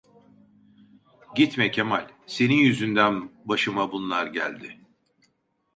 Gitme Kemal, senin yüzünden başıma bunlar geldi.